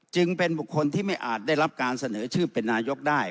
จึงเป็นบุคคลที่ไม่อาจได้รับการเสนอชื่อเป็นนายกได้